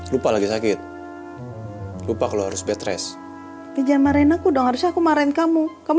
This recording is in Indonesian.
lupa lagi sakit lupa kalau harus betres digambarin aku dong harusnya aku marahin kamu kamu